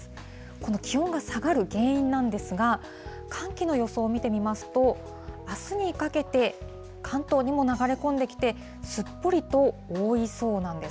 この気温が下がる原因なんですが、寒気の予想を見てみますと、あすにかけて、関東にも流れ込んできて、すっぽりと覆いそうなんです。